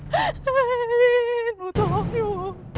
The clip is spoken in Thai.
เฮ้ยหนูจอดอยู่